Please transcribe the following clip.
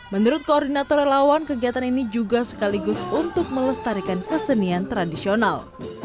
menurut koordinator relawan kegiatan ini juga sekaligus untuk melestarikan kesenian tradisional